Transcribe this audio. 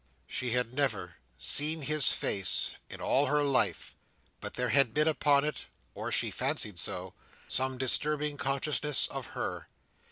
She had never seen his face in all her life, but there had been upon it—or she fancied so—some disturbing consciousness of her.